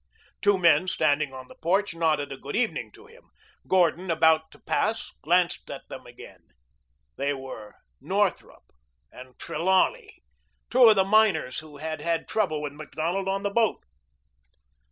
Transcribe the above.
Two men standing on the porch nodded a good evening to him. Gordon, about to pass, glanced at them again. They were Northrup and Trelawney, two of the miners who had had trouble with Macdonald on the boat.